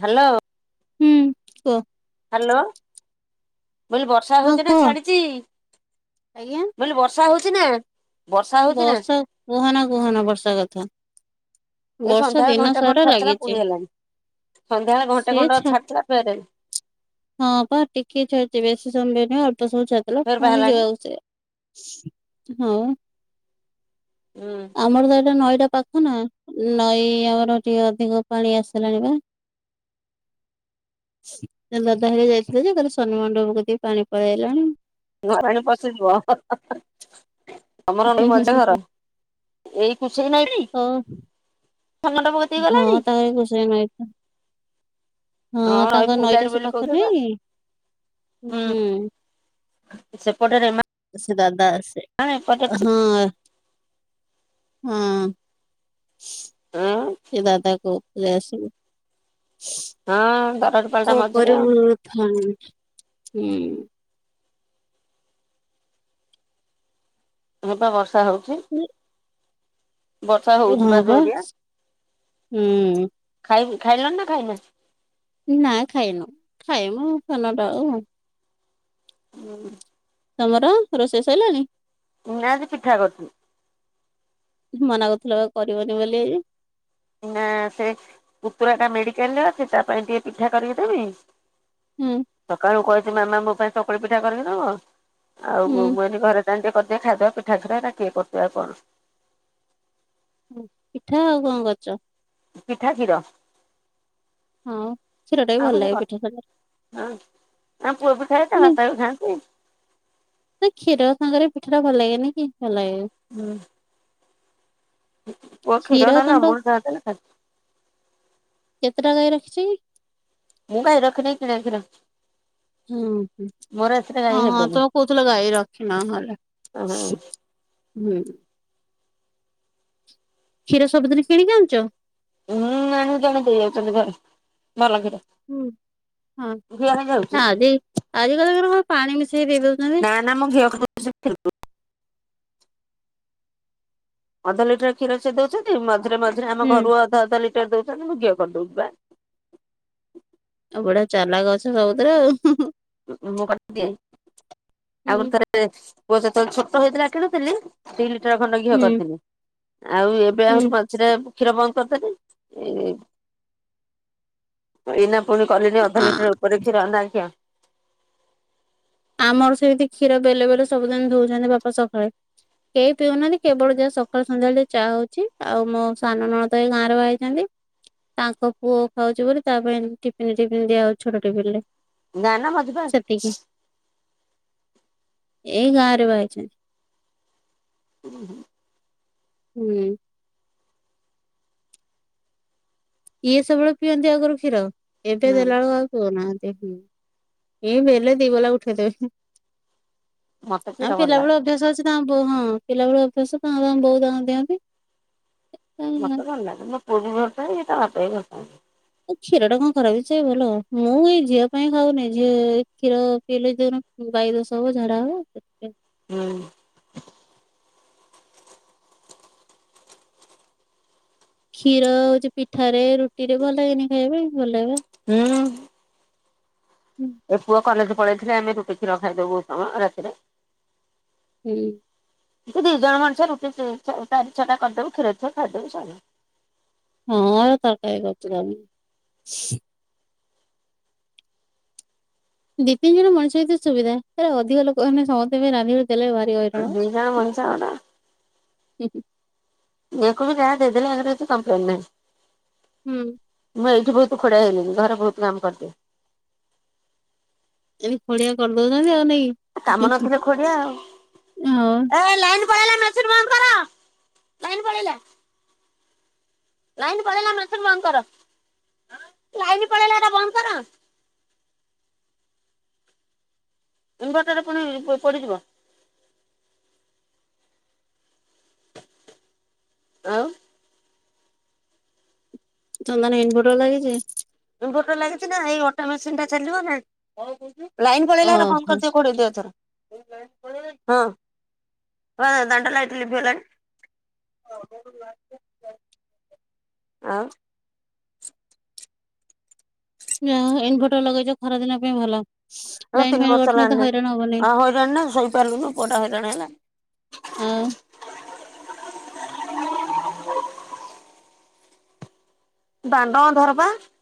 Hello. ହୁଁ କୁହ? Hello ମୁଁ କହିଲି ବର୍ଷା ହଁ ହଉଚି ନା କୁହ ଛାଡିଛି ଆଜ୍ଞା ବ ର୍ଷା ହଉଛି ନା? ହଉଛି ନା ବର୍ଷା କୁହନା କୁହନା ବର୍ଷା କଥା। ଏଇ ବର୍ଷା ସନ୍ଧ୍ୟାବେଳେ ଦିନ ଘଣ୍ଟେ ଖଣ୍ଡେ ସାରା ଛାଡ଼ିଥିଲା ଲାଗିଛି। ପୁଣି ହେଲାଣି ସନ୍ଧ୍ୟାବେଳେ ଘଣ୍ଟେ ସେ ଖଣ୍ଡ ଛା ଛାଡ଼ିଥିଲା ଫେରେ ହଁ ବା ଟିକେ ଛାଡିଛି ବେଶୀ ସମୟ ବି ନୁହେଁ ଅଳ୍ପ ସମୟ ଛାଡିଥିଲା ଫେର ବା ପୁଣି ହେଲାଣି ଯୋଉଆକୁ ସେଇଆ ହଁ ବା। ହୁଁ। ଆମର ତ ଏଟା ନଈଟା ପାଖ ନା ନଈ ଆମର ଟିକେ ଅଧିକ ପାଣି ଆସିଲାଣି ବା [inaudible] କାଲି ଦାଦା ହେରୀକା ଯାଇଥିଲେ ଯେ କହିଲେ ଶନି ମଣ୍ଡପ କତିକି ଦେଇ ପାଣି ପଳେଇ ଆଇଲାଣି। ହୁଁ ହୁଁ [unintelligible] ଘର। ହୁଁ ଏଇ। [unintelligible] ହଁ। ସଙ୍କଟ ପକେଇ ହଁ ଗଲାଣି ତା। [unintelligible] ହଁ ନଈ ତାଙ୍କର ପୁରିଲାଣି ନଈଟା ସେ ବୋଲି ପାଖରେ କହୁଥିଲେ ପା ନାହିଁ କି ହୁଁ। ସେପଟେ ରେ ମା ସେ ଦାଦା ଆସେ ହଁ ହଁ। [inaudible] ଅଁ। ଦାଦା କହୁଥିଲେ ଆସିବେ। ହଁ। [unintelligible] କଣ ଆଉ କରିବୁ [unintelligible] ହୁଁ। ହଁ ପା ବର୍ଷା ହଉଚି। ବର୍ଷା ହଉଚି ହଁ ପା ବା ଯୋରିଆ। ହୁଁ ଖାଇବୁ ଖାଇଲଣି ନା ଖାଇନା? ନାଇଁ ଖାଇନୁ। ଖାଇବୁ ସାଢେ ନଅ ଟା ବେଳ କୁ ଆଉ। ହୁଁ। ତମର ରୋଷେଇ ସଇଲାଣି। ନା ଆଜି ପିଠା କରିଥିଲି। ମନା କରୁଥିଲ ବା କରିବନି ବୋଲି ଆଜି? ନା ସେ ପୁତୁରା ଟା ମେଡିକାଲ ରେ ଅଛି, ତାପାଇଁ ଟିକେ ପିଠା କରିକି ଦେବି। ହୁଁ। ସକାଳୁ କହିଚି ମାମା ମୋ ପାଇଁ ଚକୁଳି ପିଠା କରିକି ଦବ। ଆଉ ହୁଁ। [unintelligible] ଘରେ [unintelligible] କରିଦିଅ ଖାଇଦେବା ପିଠାଥିରେ ଏରା କିଏ କରୁଚି ଆଉ କଣ।। ପିଠା ଆଉ କଣ କରିଚ? ପିଠା କ୍ଷୀର। ଆଉ କ୍ଷୀରଟା ବି ଆଉ ଭଲ କିଛି ଲାଗେ କରିନି ପିଠା ସାଙ୍ଗରେ। ହଁ ଆ ପୁଅ ବି। [unintelligible] ନାଇଁ କ୍ଷୀର ସାଙ୍ଗରେ ପିଠା ଟା ଭଲ ଲାଗେନି କି ଭଲ ଲାଗେ। ହୁଁ। ପୁଅ କ୍ଷୀର ନହେଲେ ଅମୂଲ୍ ଯାହା ଦେଲେ ଖାଇ କେତେଟା ଗାଈ ରଖିଚ କି? ମୁଁ ଗାଇ ରଖିନି କିଣା କ୍ଷୀର। ହୁଁ ହୁଁ। ମୋର ଏଥିରେ ଗାଈ ହଁ ହେବେନି। ତମେ କହୁଥିଲ ଗାଇ ରଖିନ। ହଁ [unintelligible] ହୁଁ। କ୍ଷୀର ସବୁ ଦିନି କିିଣିକି ଆଣୁଚ? [unintelligible] ଜଣେ ଦେଇ ଯାଉଛନ୍ତି ଘରେ ଭଲ କ୍ଷୀର। ହୁଁ ହଁ। ଘିଅ ହେଇଯାଉଛି ଆଜି ଆଜି କାଲି କଣ କହିଲେ ପାଣି ମିଶେଇକି ଦେଇ ଦଉଛନ୍ତି। ନା ନା ମୁଁ ଘିଅ। [unintelligible] ଅଧ ଲିଟର କ୍ଷୀର ସେ ଦଉଛନ୍ତି। ମଝିରେ ମଝିରେ ଆମ ଘରୁ ଅଧ ଅଧ ଲିଟର ଦଉଛନ୍ତି ମୁଁ ଘିଅ କରିଦଉଚି ପା। ଆଉ ବଢିଆ ଚାଲାକ ଅଛ ସବୁଥିରେ ଆଉ। ମୁଁ କରିଦିଏ। ହୁଁ ଆଗୁରୁ ହୁଁ। ଥରେ ପୁଅ ଯେତେବେଳେ ଛୋଟ ହେଇଥିଲା କିଣୁଥିଲି ଦି ଲିଟର ଖଣ୍ଡେ ଘିଅ ହୁଁ କରିଥିଲି। ଆଉ ଏବେ ହୁଁ ଆହୁରି ମଝିରେ କ୍ଷୀର ବନ୍ଦ କରିଦେଲି ଇ ଏଇନା ପୁଣି କଲିନି ଅଧ ହୁଁ। ଲିଟରେ ଉପରେ ଖିର ନା ଘିଅ। ଆମର ସେମତି କ୍ଷୀର ବେଲେ ବେଲେ ସବୁଦିନ ଧଉଚନ୍ତି ବାପା ସଖାଳେ। କେହି ପିଉନାହାନ୍ତି କେବଳ ଯାହା ସକାଳୁ ସନ୍ଧ୍ୟାବେଳେ ଟିକେ ଚାହା ହଉଚି ଆଉ ମୋ ସାନ ନନନ୍ଦ ତ ଏଇ ଗାଁରେ ବାହା ହେଇଚନ୍ତି। ତାଙ୍କ ପୁଅ ଖାଉଛି ବୋଲି ତା ପାଇଁ ଟିଫିନ ଟିଫିନ ଦିଆହଉଛି ଛୋଟ ଟିଫିନ ରେ। ନା ନା। [unintelligible] ଏଇ ଗାଁ ରେ ବାହା ହେଇଚନ୍ତି। ହୁଁ। ଇଏ ସବୁବେଳେ ପିଅନ୍ତି ଆଗରୁ କ୍ଷୀର ଏବେ ହୁଁ ଦେଲାବେଳକୁ ଆଉ [unintelligible] ହୁଁ ଏଇ ବେଲେ ଦି ବେଲା ଉଠେଇଦେବେ। ମତେ କ୍ଷୀର ଆମେ ଭଲ ଲାଗେ ପିଲାବେଳୁ ଅଭ୍ୟାସ ଅଛି ତାଙ୍କ ବୋଉ ହଁ ପିଲା ବେଳୁ ଅଭ୍ୟାସ ତାଙ୍କ ତାଙ୍କ ବୋଉ ତାଙ୍କ ଦିଅନ୍ତି। ମତେ ଭଲ ଲଗେ ମୋ ପୁଅ ବି ଭଲପାଏ ତା ବାପା ବି ଭଲପାଆନ୍ତି। କ୍ଷୀର ଟା କଣ ଖରାପ ଜିନଷ କି ଭଲ ମୁଁ ଏଇ ଝିଅ ପାଇଁ ଖାଉନି। ଝିଅ କ୍ଷୀର ପିଇଲେ ଯଉନ ବାଇୁ ଦୋଶ ହବ ଝଡା ହବ। ସେଥିପାଇଁ ହୁଁ। କ୍ଷୀର ହଉଛି ପିଠାରେ ରୁଟି ରେ ଭଲ ଲାଗେନି ଖାଇବା ପାଇଁ ଭଲ ଲାଗେ ପା। ହୁଁ। ଏ ପୁଅ କଲେଜ ପଳେଇଥିଲେ ଆମେ ରୁଟି କ୍ଷୀର ଖାଇଦବୁ ବହୁତ୍ ସମୟ ରାତିରେ। ହୁଁ। ଦି ଜଣ ମଣିଷ ରୁଟି ତି ଚାରି ଛଅଟା କରିଦବୁ କ୍ଷୀର ଥିର ଖାଇଦବୁ ସଇଲା। ହଁ ଆଉ ତରକାରୀ କରୁଚି [unintelligible] ଦି ତିନି ଜଣ ମଣିଷ ହେଇଥିବ ସୁବିଧା ହେରା ଅଧିକ ଲୋକ ମାନେ ସମସ୍ତ ଙ୍କ ପାଇଁ ରାନ୍ଧି ବା ଦେଲେ ଭା ଦି ଜଣ ମଣିଷ ଆମର। [unintelligible] ୟାଙ୍କୁ ବି ଯାହା ଦେଇଦେଲେ ୟାଙ୍କର କିଛି କମ୍ପ୍ଲେନ ନାଇଁ। ହୁଁ। ମୁଁ ଏଇଠି ବହୁତ ଖୋଡିଆ ହେଇଗଲିିନି ଘରେ ବୋହୁତ କାମ କରିଦିଏ। ଏବେ ଖୋଡିଆ କରିଦଉଚନ୍ତି ଆଉ ନାଇ କାମ କି? ନଥିଲେ ଖୋଡିଆ ଆଉ। ହଁ। ଏ ଲାଇନ ପଳେଇଲା ମେସିନ ବନ୍ଦ କର [inaudible] [inaudible] [inaudible] ଆଉ ତମର ତାନେ ଇନଭର୍ଟର ଲାଗିଚି। ଇନଭର୍ଟର ଲାଗିଚିନା ଏଇ ଅଟା ମେସିନ ଟା ଚାଲିବ ନା? [inaudible] ଓହୋ [inaudible] ଆଉ ଜା ହୋଉ ଇନଭର୍ଟର ଲଗେଇଚ ଖରା ଦିନ ପାଇଁ ଭଲ ଆମେ ଲାଇନ ତିନି ଫାଇନ୍ ବର୍ଷ ହେଲା କଟିଲେ ତ ଆଣିଲୁଣି। ହଇରାଣ ହବନି। [unintelligible] ଶୋଇପାରିଲୁନୁ ପୁଅଟା ହଇରାଣ ହେଲା। ଆଉ [inaudible]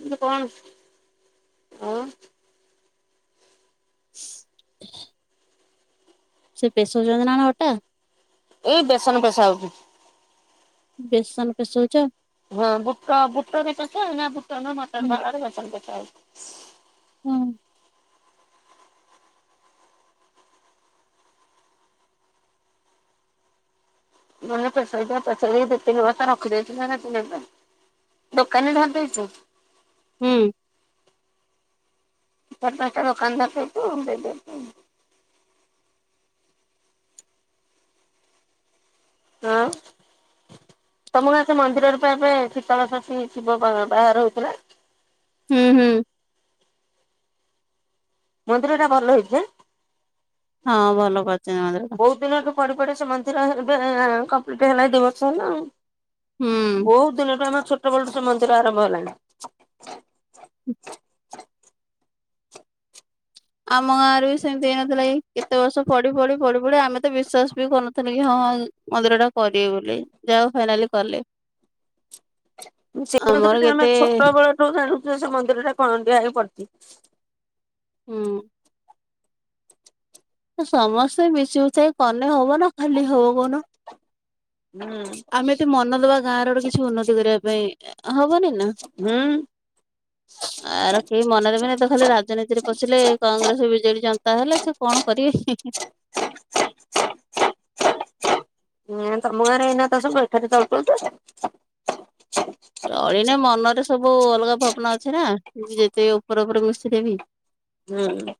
କିନ୍ତୁ କଣ ଆଉ ସେ ପେଷଉଛନ୍ତି ନା କଣ ଅଟା? ଏଇ ବେସନ ପେଷା ହେଉଛି। ବେସନ ପେଷଉଛ? ହଁ ବୁଟ ବୁଟ [unintelligible] ନା ବୁଟ ନା ହୁଁ ମଟର ଫାଳରେ ବେସନ ପେଷା ହଉଛି। ହୁଁ। ନହେଲେ ପେଷା ହେଇଥିବ ପଚାରିବୁ ଦି ତିନି ମାସ ରଖି ଦେଇଥିବେ [unintelligible] ଆସିକି ନେବେ। ଦୋକାନି ଧରି ଦେଇଛୁ? ହୁଁ। ଚାରି ପାଞ୍ଚଟା ଦୋକାନ ଧରି‌ଦେଇଛୁ, ଦେଇ ଦେଉଛୁ। ଆଉ ତମ ଗାଁ ସେ ମନ୍ଦିରରେ ପା ଏବେ ଶୀତଳ ଷଷ୍ଠୀ ଶିବ ବା ବାହାର ହଉଥିଲା। ହୁଁ ହୁଁ। ମନ୍ଦିରଟା ଭଲ ହେଇଛି ଆଁ? ହଁ ଭଲ କରିଛନ୍ତି ମନ୍ଦିରଟା। ବହୁତ ଦିନଠୁ ପଡି ପଡି ସେ ମନ୍ଦିର ଏବେ-ଏ-ଏ କଂପ୍ଲିଟ୍ ହେଲାଣି ଦି ବର୍ଷ ହେଲା। ହୁଁ। ବହୁତ ଦିନଠୁ ଆମର ଛୋଟବେଳଠୁ ସେ ମନ୍ଦିର ଆରମ୍ଭ ହେଲାଣି। ଆମ ଗାଁଆରେ ବି ସେମିତି ହେଇନଥିଲା ଏଇ କେତେ ବର୍ଷ ପଡି-ପଡି-ପଡି-ପଡି ଆମେ ତ ବିଶ୍ଵାସ ବି କରୁ ନଥିଲୁ କି ହଁ ହଁ ମନ୍ଦିରଟା କରିବେ ବୋଲି ଯାହାହେଉ ଫାଇନାଲି କଲେ। ଉଁ ସେ ଆମର ମନ୍ଦିରଟା ଆମେ କେତେ ଛୋଟ ବେଳଠୁ ଜାଣୁଛୁ ସେ ମନ୍ଦିରଟା ଖଣ୍ଡିଆ ହେଇ ପଡିଛି। ହୁଁ। ତ ସମସ୍ତେ ମିଶି ମୁଶାକି କଲେ ହବ ନା ଖାଲି ହବ କଉନ? ହୁଁ। ଆମେ ତ ମନ ଦବା ଗାଁଆର ଗୋଟେ କିଛି ଉନ୍ନତି କରିବା ପାଇଁ, ହବନି ନା? ହୁଁ ଗାଁଆର କେହି ମନ ଦେବେନି ତ ଖାଲି ରାଜନୀତିରେ ପଶିଲେ କଂଗ୍ରେସ ବିଜେଡି ଜନତା ହେଲେ ସେ କଣ କରିବେ ହିଁ ହିଁ। ମେନ୍ ତମ ଗାଁରେ ଏଇନା ତ ସବୁ ଏକାଠି ଚଳୁଛନ୍ତି ଆଉ କଣ। ଚଳିନେ ମନରେ ସବୁ ଅଲଗା ଭାବନା ଅଛି ନା ଯେତେ ଉପର ଉପର ମିଶିଲେବି। ହୁଁ।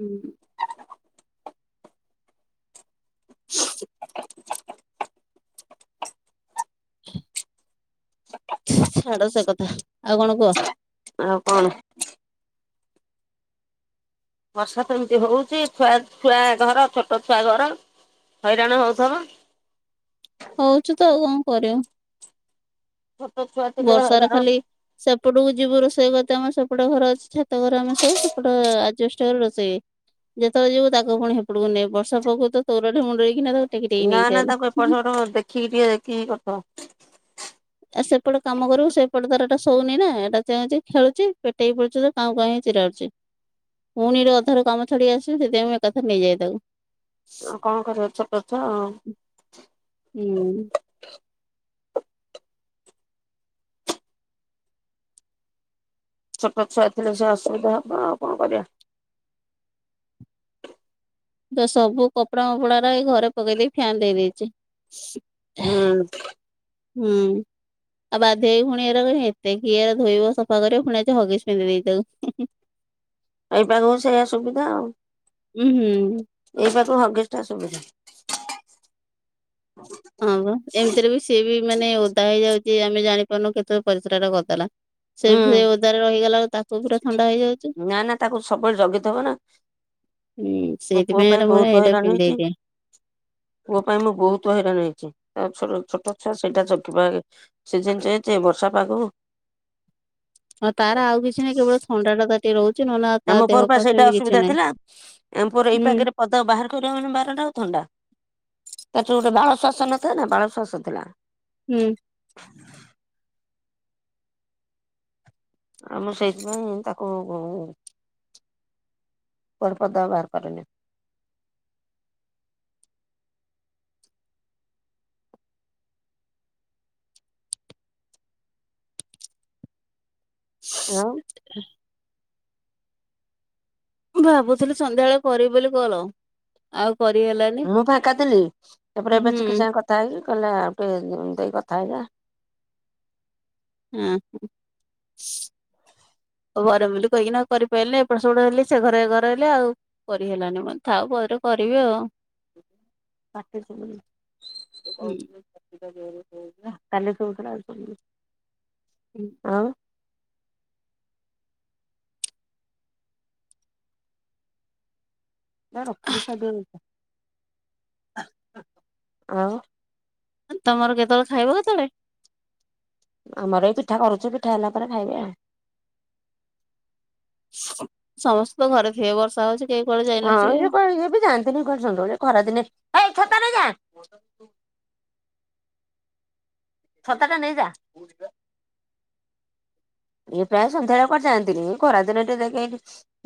ହୁଁ। ଛାଡ଼ ସେ କଥା ଆଉ କଣ କୁହ। ଆଉ କଣ। ବର୍ଷା କେମିତି ହଉଛି ଛୁଆ, ଛୁଆ ଘର ଛୋଟ ଛୁଆ ଘର ହଇରାଣ ହଉଥିବ? ହଉଚୁତ ଆଉ କଣ କରିବୁ? ଛୋଟ ଛୁଆ ଥିଲେ ବର୍ଷାରେ ହଇରାଣ ଖାଲି ସେପଟକୁ ଯିବୁ ରୋଷେଇ କରତେ ଆମର ସେପଟ ଘର ଅଛି ଛାତ ଘର ଆମେ ଶୋଉ ସେପଟ ଆଜବେଷ୍ଟ ଘରେ ରୋଷେଇ। ଯେତେବେଳେ ଯିବୁ ତାକୁ ପୁଣି ହେପଟକୁ ନେ, ବର୍ଷା ପକଉଥିବ ତୋରଠି ମୁଣ୍ଡେଇକି ନେଲା ବେଳକୁ ତାକୁ ଟେକି ଟେକି ନେଇ ଚାଲେ। ହଁ ଦେଖିକି ଟିକେ ଦେଖିକି କରୁଥିବ। ଆ ସେପଟେ କାମ କରିବୁ ସେପଟେ ତାରଟା ଶୋଉନି ନା ଏଟା ଚେଉଁଛି ଖେଳୁଛି ପେଟେଇ ପଡୁଛି ତ। କାଉଁ କାଉଁ ହେଇ ଚିରାଡୁଛି। ପୁଣିରୁ ଅଧାରୁ କାମ ଛାଡ଼ି ଆସିବୁ ସେଥିପାଇଁ ମୁଁ ଏକ ଥରେ ନେଇଯାଏ ତାକୁ। ଆଉ କଣ କରିବ ଛୋଟ ଛୁଆ ଆଉ। ହୁଁ। ଛୋଟ ଛୁଆ ଥିଲେ ସେ ଅସୁବିଧା ହବ ଆଉ କଣ କରିବା। ତ ସବୁ କପଡ଼ା ମପଡ଼ା ଉରା ଘରେ ପକେଇ ଦେଇକି ଫ୍ୟାନ ଦେଇ ଦେଇଛି। ହୁଁ। ହୁଁ। ଆଉ ବାଧ୍ୟହେଇକି ପୁଣି ଏର ଏତେ କିଏରେ ଧୋଇବ ସଫା କରିବ ପୁଣି ଆଯି ହଗିଶୁ ପିନ୍ଧେଇ ଦେଇଛି ତାକୁ। ଏଇ ପାଗକୁ ସେଇୟା ସୁବିଧା ଆଉ। ଉଁ ହୁଁ। ଏଇ ପାଗକୁ ହଗସି ଟା ସୁବିଧା। ହଁ ବା ଏମିତିରେ ବି ସିଏ ବି ମାନେ ଓଦା ହେଇଯାଉଛି ଆମେ ଜାଣିପାରୁନୁ କେତେବେଳେ ପରିସ୍ରା ଟା କରିଦେଲା। ସେ ହୁଁ। ଥିରେ ଓଦାରେ ରହିଗଲା ତାକୁ ପୁରା ଥଣ୍ଡା ହେଇଯାଉଛି। ନା ନା ତାକୁ ସବୁବେଳେ ଜଗିଥବ ନା ହୁଁ ମୋ ପୁଅ ସେଇଥିପାଇଁ ପାଇଁ ଏ ବହୁତ ମୋର ଏଇଟା ହଇରାଣ ହେଇଛି ପିନ୍ଧେଇ ଦିଏ। ପୁଅ ପାଇଁ ମୁଁ ବହୁତ ହଇରାଣ ହେଇଛି ଆ ଛୋ ଛୋଟ ଛୁଆ ସେଇଟା ଜଗିବା ସିଜିନ ଚେଞ୍ଜ ଏ ବର୍ଷା ପାଗକୁ ହଁ ତାର ଆଉ କିଛି ନାଇଁ କେବଳ ଥଣ୍ଡା ଟା ତା ଟିକେ ରହୁଛି ନ ହେଲା ଆ ଆମ ପୁଅର ପରା ସେଇଟା ଅସୁବିଧା ଥିଲା। ଆମ ପୁଅ ର ଏଇ ହୁଁ ପାଗରେ ପଦା କୁ ବାହାର କରିବା ମାନେ ବାରଣ୍ଡା ଆଉ ଥଣ୍ଡା। ତାର ଯୋଉଟା ବାଳ ଶ୍ୱାସ ନଥିଲା ନା ବାଳ ଶ୍ୱାସ ଥିଲା। ହୁଁ। ଆଉ ମୁଁ ସେଇଥି ପାଇଁ ତାକୁ ଉ କୁଆଡ଼େ ପଦାକୁ ବାହାର କରେନି। ଆଉ ଭାବୁଥିଲି ସନ୍ଧ୍ୟାବେଳେ କରିବି ବୋଲି କଲ। ଆଉ କରିହେଲା ମୁଁ ଫାଙ୍କା ଥିଲି ତାପରେ ଏବେ ଚିକିତ୍ସା କଥା ହେଇକି କହିଲେ ଆଉ ଟିକେ ଦେଇ କଥା ହେଇଯା। ଉଁ ହୁଁ। ଆଉ ବରେ ବୋଲି କହିକିନା କରିପାରିଲି ଏପଟେ ସେପଟ ହେଲି ସେ ଘରେ ଏ ଘର ହେଲି ଆଉ। କରିହଲାନି ମ ଥାଉ ପରେ କରିବି ଆଉ। ପାଟି ଶୁଭୁନି [inaudible] ହୁଁ କାଲି ଶୁଭୁଥିଲା ଆଜି ଶୁଭୁନି। ହୁଁ। ଆଉ ନା ରଖ ଆ [unintelligible] ଆଉ ତମର କେତେବେଳେ ଖାଇବ କେତେଳେ? ଆମର ଏଇ ପିଠା କରୁଛୁ ପିଠା ହେଲା ପରେ ଖାଇବେ ଆଉ। ସମସ୍ତେ ତ ଘରେ ଥିବ ବର୍ଷା ହଉଛି। କେହି କୁଆଡେ ହଁ ଯାଇନଥିବେ ଇଏ କ ଇଏ ବି ଯାଣିଥିଲି ସନ୍ଧ୍ୟାବେଳେ ଖରାଦିନେ ଏଇ ଛତା ନେଇଯା। ଛତା ଟା ନେଇଯା। ଇଏ ପ୍ରାୟ ସଧ୍ୟାବେଳେ କୁଆଡେ ଜାଆନ୍ତିନି ଖରାଦିନ ଟିକେ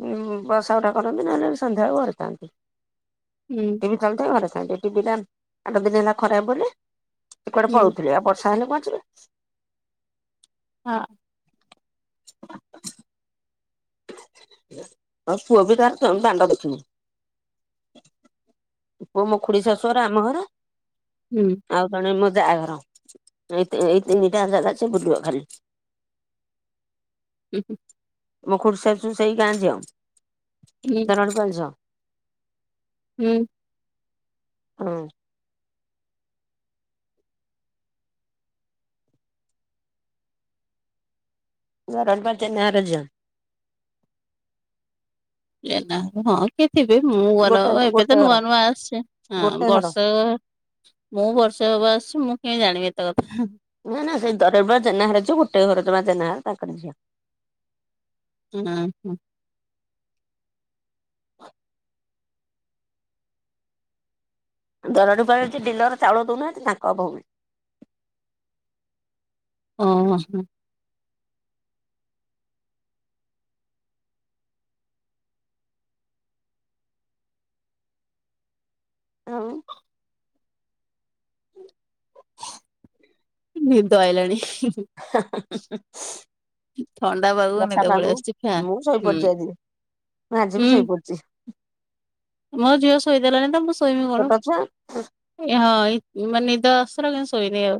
ଉଁ ବସା ଉଠା କରନ୍ତି ନହେଲେ ବି ସନ୍ଧ୍ୟାବେଳେ ଘରେ ଥାନ୍ତି। ହୁଁ। [unintelligible] ଘରେ ଥାନ୍ତି ଟିଭି ଟା ଆଠ ଦିନ ହେଲା ଖରାପ ବୋଲି। କୁଆଡେ ହୁଁ ପଳଉଥିଲେ ଆଉ ବର୍ଷା ହେଲେ କୁଆଡେ ଯିବେ। ହଁ। ଆଉ ପୁଅ ବି ତାର ଦାଣ୍ଡ ଦେଖିନି। ପୁଅ ମ ଖୁଡି ଶାଶୁ ହର ଆମ ଘର। ହୁଁ। ଆଉ ଜଣେ ମୋ ଯାଆ ଘର ଏ ଏଇ ତିନିଟା ଜାଗା ସେ ବୁଲିବ ଖାଲି। ହୁଁ। ମୋ ଖୁଡିଶାଶୁ ସେଇ ଗାଁ ଝିଅ ହୁଁ [inaudible] ହୁଁ। ହୁଁ। [inaudible] ଜେନାଘର ଝିଅ। ହଁ। ଥିବେ ମୁଁ ଆ ଗୋଟେ ନ ଘର ଏବେ ତ ଗୋଟେ ଘର ନୂଆ ନୂଆ ହଁ ଆସିଛି ଗୋଟେ ଘର। ବର୍ଷ। ମୁଁ ବର୍ଷେ ହବ ଆସଛି ମୁଁ କେନ୍ତି ଜାଣିବି ଏତେ କଥା। ନାଁ ନା ସେଇ ଦରା ବା ଜେନାଘର ଯିବ ଗୋଟେ ଘର ବା ଜେନାଘର ତାଙ୍କର ଝିଅ। ହୁଁ ହୁଁ। ଦର ପଡିଛି ଡିଲର ଚାଉଳ ଦଉନାହାନ୍ତି ତାଙ୍କ ଭଉଣୀ। ଓ ହୋ। [inaudible] ନିଦ ଆଇଲାଣି ହୁଁ ହୁଁ। ହୁଁ ହୁଁ। ଥଣ୍ଡା ପାଗକୁ ବର୍ଷା ନିଦ ପଳେଇ ପାଗୁ ଆସୁଛି ଫ୍ୟା ମୁଁ ହୁଁ ସୋଇପଡିଛି ଆଜି। ମୁଁ ଆଜି ବି ହୁଁ। ଶୋଇପଡିଛି। ମୋ ଝିଅ ସୋଇଦେଲାନି ତ ମୁଁ ଶୋଇବି କଣ? ଛୋଟ ଛୁଆ ଏ ହଁ ମାନେ ନିଦ ଆସୁଥିଲା କିନ୍ତୁ ଶୋଇନି ଆଉ